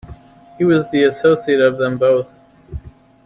He was the associate of them both.